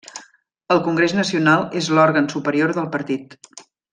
El Congrés Nacional és l'òrgan superior del Partit.